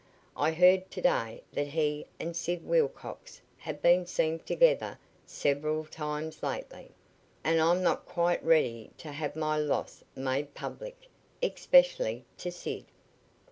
"I heard to day that he and Sid Wilcox have been seen together several times lately, and I'm not quite ready to have my loss made public especially to Sid."